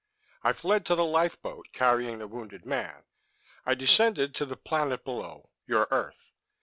I fled to the lifeboat, carrying the wounded man. I descended to the planet below: your earth.